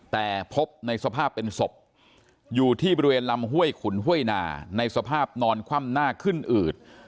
แต่พบในสภาพเป็นศพอยู่ที่บริเวณลำห้วยขุนห้วยนาในสภาพนอนคว่ำหน้าขึ้นอืด